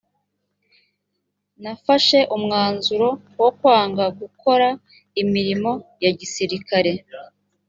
nafashe umwanzuro wo kwanga gukora imirimo ya gisirikare